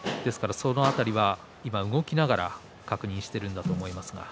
その辺りは動きながら確認をしているんだと思います。